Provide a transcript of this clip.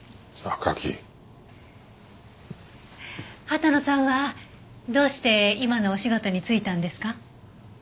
羽田野さんはどうして今のお仕事に就いたんですか？